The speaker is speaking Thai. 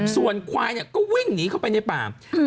ส่วนควายเนี่ยก็วิ่งหนีเข้าไปในป่า